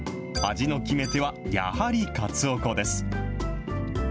味の決め手は、やはりかつお粉です。